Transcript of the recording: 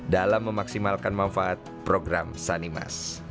dalam memaksimalkan manfaat program sanimas